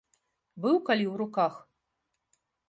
Быў калі ў руках?